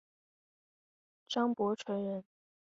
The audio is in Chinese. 张伯淳人。